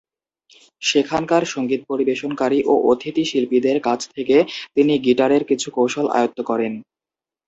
সেখানকার সঙ্গীত পরিবেশনকারী ও অতিথি শিল্পীদের কাছ থেকে তিনি গিটারের কিছু কৌশল আয়ত্ত করেন।